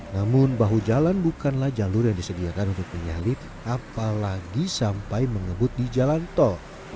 namun bahu jalan bukanlah jalur yang disediakan untuk menyalip apalagi sampai mengebut di jalan tol